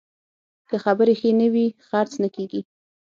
که خبرې ښې نه وي، خرڅ نه کېږي.